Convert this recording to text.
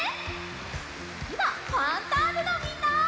つぎは「ファンターネ！」のみんな！